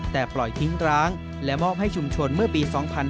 แต่ปล่อยทิ้งร้างและมอบให้ชุมชนเมื่อปี๒๕๕๙